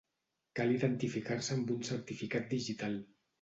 Cal identificar-se amb un certificat digital.